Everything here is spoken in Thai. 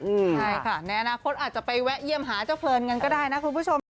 ใช่ค่ะในอนาคตอาจจะไปแวะเยี่ยมหาเจ้าเพลินกันก็ได้นะคุณผู้ชม